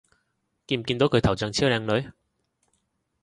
見唔見到佢頭像超靚女